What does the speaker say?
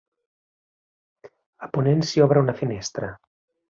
A ponent s'hi obre una finestra.